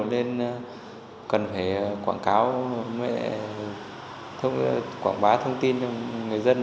nên cần phải quảng cáo quảng bá thông tin cho người dân